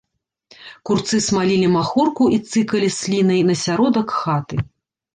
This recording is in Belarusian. Курцы смалілі махорку і цыкалі слінай на сяродак хаты.